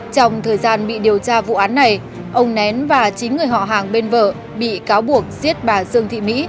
trong thời gian bị điều tra vụ án này ông nén và chín người họ hàng bên vợ bị cáo buộc giết bà dương thị mỹ